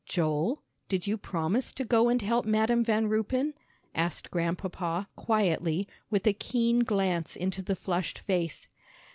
"Joel, did you promise to go and help Madam Van Ruypen?" asked Grandpapa, quietly, with a keen glance into the flushed face.